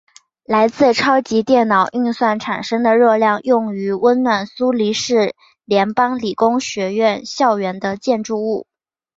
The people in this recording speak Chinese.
来自超级电脑运算产生的热量用于温暖苏黎世联邦理工学院校园的建筑物。